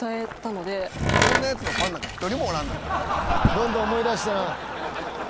どんどん思い出してな。